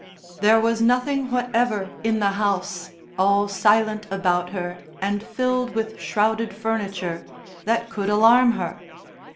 There was nothing whatever in the house, all silent about her and filled with shrouded furniture, that could alarm her.